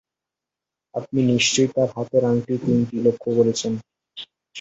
আপনি নিশ্চয়ই তাঁর হাতের আঙটি তিনটি লক্ষ করেছেন।